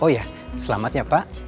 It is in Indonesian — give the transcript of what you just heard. oh iya selamatnya pak